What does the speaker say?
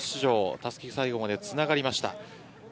たすきが最後までつながりました。